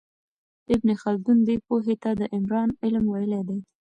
ابن خلدون دې پوهې ته د عمران علم ویلی دی.